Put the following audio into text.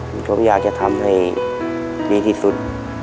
ผมอยากจะทำให้ดีที่สุด